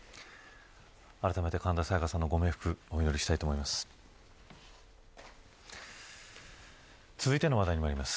あらためて神田沙也加さんのご冥福をお祈りしたいと思います。